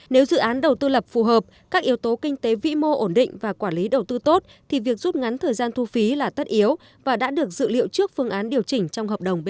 nếu dự án đầu tư lập phù hợp các yếu tố kinh tế vĩ mô ổn định và quản lý đầu tư tốt thì việc rút ngắn thời gian thu phí là tất yếu và đã được dự liệu trước phương án điều chỉnh trong hợp đồng bot